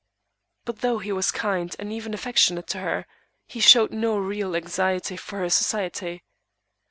But though he was kind, and even affectionate to her, he showed no real anxiety for her society.